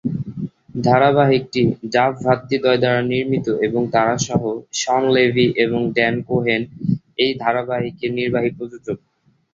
ধারাবাহিকটি Duff ভ্রাতৃদ্বয় দ্বারা নির্মিত এবং তারা সহ শন লেভি এবং ড্যান কোহেন এই ধারাবাহিকের নির্বাহী প্রযোজক।